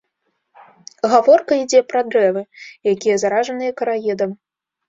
Гаворка ідзе пра дрэвы, якія заражаныя караедам.